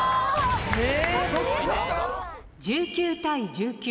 １９対１９。